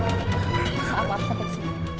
maaf sampai disini